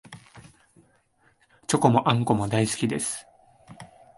チョコもあんこも大好きです